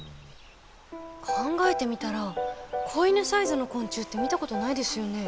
考えてみたら子犬サイズの昆虫って見たことないですよね？